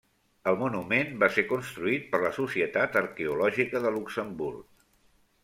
El monument va ser construït per la Societat Arqueològica de Luxemburg.